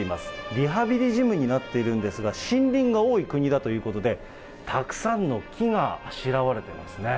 リハビリジムになっているんですが、森林が多い国だということで、たくさんの木があしらわれていますね。